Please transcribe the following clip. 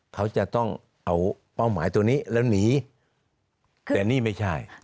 เขาจะต้องเอาเป้าหมายตัวนี้แล้วหนีแต่นี่ไม่ใช่